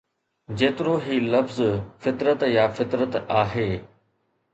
جيترو هي لفظ فطرت يا فطرت آهي